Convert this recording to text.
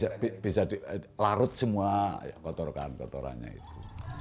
ya bisa dilarut semua kotoran kotorannya itu